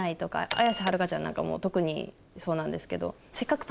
綾瀬はるかちゃんなんかも特にそうなんですけど。